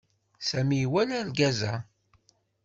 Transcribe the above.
Sami iwala argaz-a.